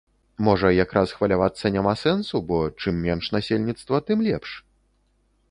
Можа як раз хвалявацца няма сэнсу, бо чым менш насельніцтва, тым лепш?